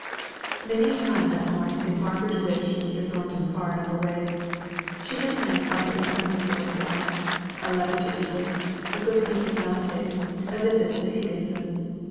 Many a time that morning did Margaret wish Mr. Thornton far enough away. She had planned other employments for herself: a letter to Edith, a good piece of Dante, a visit to the Higginses.